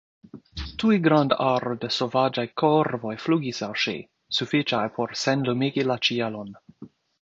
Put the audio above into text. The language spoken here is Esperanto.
Tuj granda aro da sovaĝaj korvoj flugis al ŝi, sufiĉaj por senlumigi la ĉielon.